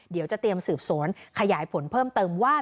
เดี๋ยวจะเตรียมสืบสวนขยายผลเพิ่มเติมว่า